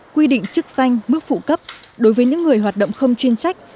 quy định chức danh mức phụ cấp đối với những người hoạt động không chuyên trách